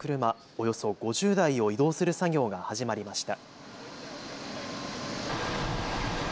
およそ５０台を移動する作業が始まりました。